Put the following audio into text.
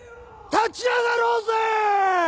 ・立ち上がろうぜ！